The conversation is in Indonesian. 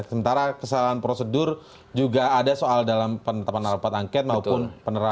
sementara kesalahan prosedur juga ada soal dalam penetapan rapat angket maupun penerapan